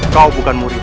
kau bukan murid